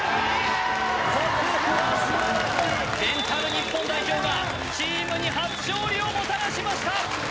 日本代表がチームに初勝利をもたらしました